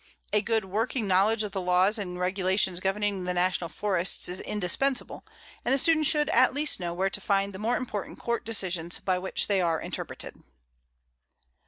A good working knowledge of the laws and regulations governing the National Forests is indispensable, and the student should at least know where to find the more important court decisions by which they are interpreted.